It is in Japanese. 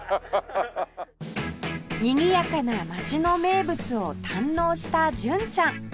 にぎやかな街の名物を堪能した純ちゃん